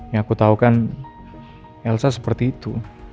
ya aku tau kan elsa seperti itu